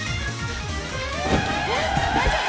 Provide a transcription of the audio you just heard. えっ大丈夫？